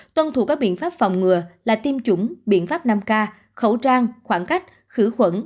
tuân thủ các biện pháp phòng ngừa là tiêm chủng biện pháp năm k khẩu trang khoảng cách khử khuẩn